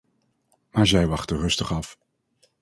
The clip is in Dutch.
Maar zij wachten rustig af.